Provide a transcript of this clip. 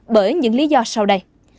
bởi những lý do sau đây